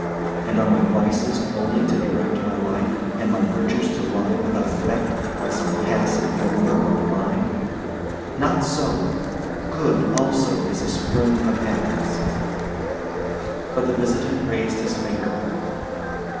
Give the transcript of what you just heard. And are my vices only to direct my life, and my virtues to lie without effect, like some passive lumber of the mind? Not so; good, also, is a spring of acts." But the visitant raised his finger.